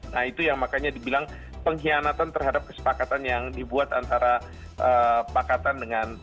nah itu yang makanya dibilang pengkhianatan terhadap kesepakatan yang dibuat antara pakatan dengan